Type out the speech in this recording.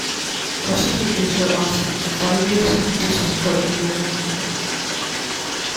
Prosecutors were asking for five years in prison for Emelianenko.